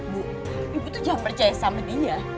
bu ibu tuh jangan percaya sama dia